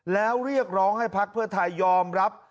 แล้วเรียกร้องให้พักเพื่อไทยยอมรับ